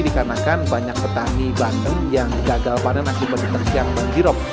dikarenakan banyak petani bandeng yang gagal pandang akibatnya terkiang dan girok